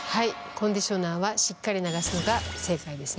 コンディショナーはしっかり流すのが正解ですね。